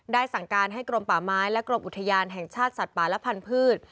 สั่งการให้กรมป่าไม้และกรมอุทยานแห่งชาติสัตว์ป่าและพันธุ์